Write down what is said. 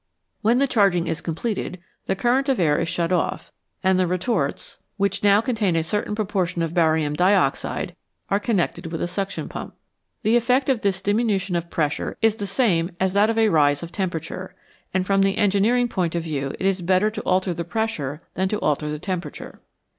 When the charging is com pleted, the current of air is shut off', and the retorts, 195 HIGH TEMPERATURES which now contain a certain proportion of barium dioxide, are connected with a suction pump. The effect of this diminution of pressure is the same as that of a rise of temperature, and from the engineering point of view it is better to alter the pressure than to alter the temperature.